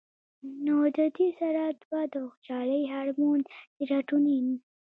نو د دې سره دوه د خوشالۍ هارمون سېراټونین